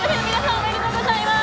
おめでとうございます！